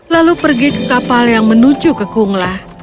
lalu pergi ke kapal yang menuju ke kungla